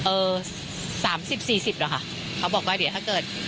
สำหรับจานเออสามสิบสี่สิบเหรอค่ะเขาบอกว่าเดี๋ยวถ้าเกิด